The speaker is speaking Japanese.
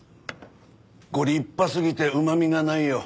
ご立派すぎてうまみがないよ。